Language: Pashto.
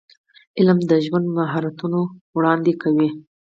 علم د ژوند مهارتونه وړاندې کوي.